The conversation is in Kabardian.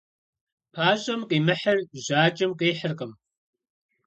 Пащӏэм къимыхьыр жьакӏэм къихьыркъым.